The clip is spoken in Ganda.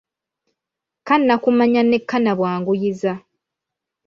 Kannakumanya ne kannabwanguyiza